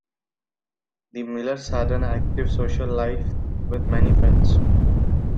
The Millers had an active social life with many friends.